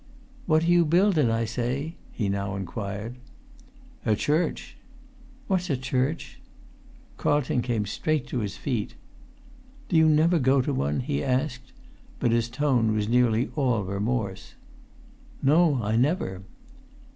"What are you buildin', I say?" he now inquired. "A church." "What's a church?" Carlton came straight to his feet. "Do you never go to one?" he asked; but his tone was nearly all remorse. "No, I never."